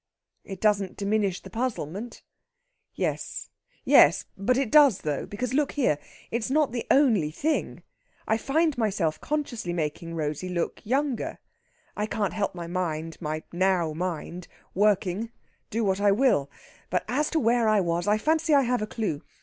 "It doesn't diminish the puzzlement." "Yes yes but it does, though. Because, look here! It's not the only thing. I find myself consciously making Rosey look younger. I can't help my mind my now mind working, do what I will! But as to where it was, I fancy I have a clue.